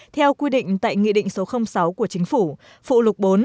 theo quy định tại nghị định số sáu của chính phủ phụ lục bốn